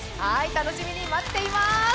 楽しみに待っています。